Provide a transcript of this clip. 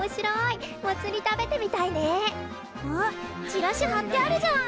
チラシはってあるじゃん！